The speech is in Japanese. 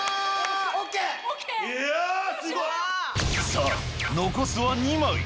さぁ残すは２枚！